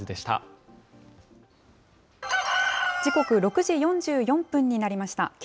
時刻６時４４分になりました。